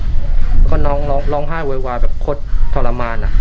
แล้วก็น้องร้องร้องไห้วัยวายแบบโคตรทรมานอ่ะ